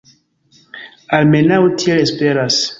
Almenaŭ tiel esperas.